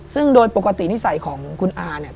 ซึ่งโดยปกตินิสัยของคุณอาเนี่ย